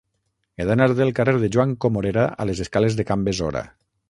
He d'anar del carrer de Joan Comorera a les escales de Can Besora.